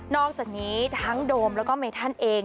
อกจากนี้ทั้งโดมแล้วก็เมธันเอง